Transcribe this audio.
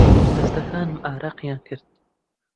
دەستەکانم ئارەقیان کرد.